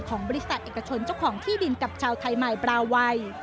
ของบริษัทเอกชนเจ้าของที่ดินกับชาวไทยใหม่บราวัย